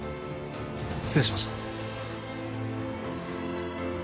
失礼しました。